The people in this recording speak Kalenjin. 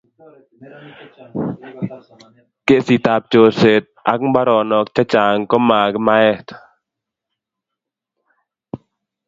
kesit abchorset ab mbaronok che chang komakimaet